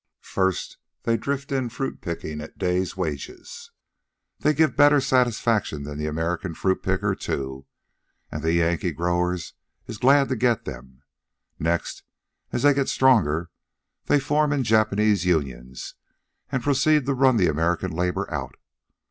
First they drift in fruit picking at day's wages. They give better satisfaction than the American fruit pickers, too, and the Yankee grower is glad to get them. Next, as they get stronger, they form in Japanese unions and proceed to run the American labor out.